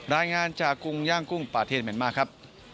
รายงานจากกุ้งย่างกุ้งประเทศเมียนมาร์ครับ